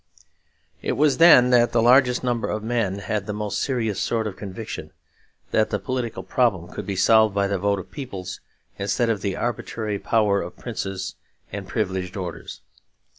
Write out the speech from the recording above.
It was then that the largest number of men had the most serious sort of conviction that the political problem could be solved by the vote of peoples instead of the arbitrary power of princes and privileged orders.